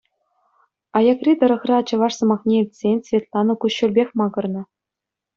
Аякри тӑрӑхра чӑваш сӑмахне илтсен Светлана куҫҫульпех макӑрнӑ.